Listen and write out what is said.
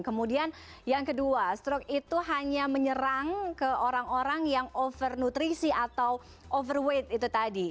kemudian yang kedua stroke itu hanya menyerang ke orang orang yang overnutrisi atau overweight itu tadi